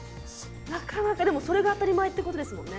でもそれが当たり前ってことですもんね。